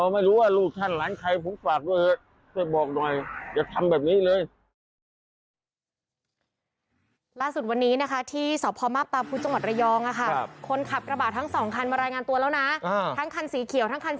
มาตรภุตมาตรภุตเป็นคนหนึ่งในเมือง